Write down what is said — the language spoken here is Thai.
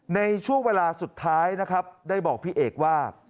ในช่วงเวลาสุดท้ายนะครับได้บอกพี่เอกว่า